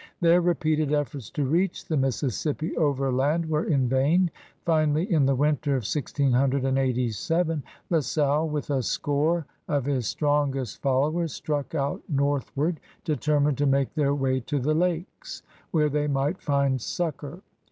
Their repeated efforts to reach the Mississippi overland were in vain. Finally, in the winter of 1687, La Salle with a score of his strongest followers struck out north ward, determined to make their way to the Lakes, where they might find succor.